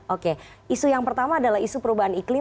oke isu yang pertama adalah isu perubahan iklim